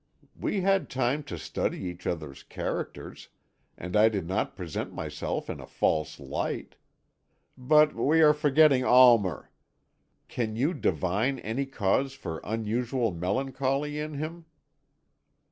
We had time to study each other's characters, and I did not present myself in a false light. But we are forgetting Almer. Can you divine any cause for unusual melancholy in him?"